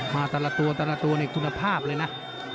มาแต่ละตัวแต่ละตัวในคุณภาพเลยนะ